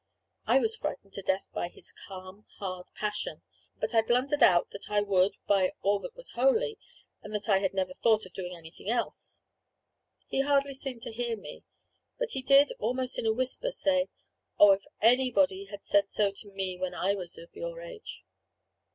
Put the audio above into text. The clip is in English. I was frightened to death by his, calm, hard passion; but I blundered out that I would, by all that was holy, and that I had never thought of doing anything else. He hardly seemed to hear me; but he did, almost in a whisper, say: "O, if anybody had said so to me when I was of your age!"